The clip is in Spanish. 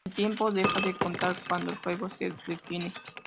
El tiempo deja de contar cuanto el juego se detiene.